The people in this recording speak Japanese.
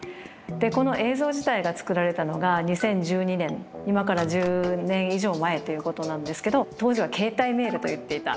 この映像自体が作られたのが２０１２年今から１０年以上前っていうことなんですけど当時は携帯メールといっていた